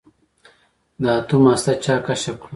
د اتوم هسته چا کشف کړه.